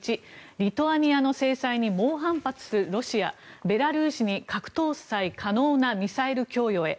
１、リトアニアの制裁に猛反発するロシアベラルーシに核搭載可能なミサイル供与へ。